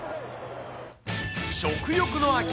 食欲の秋。